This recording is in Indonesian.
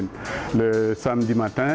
pada pagi dan petang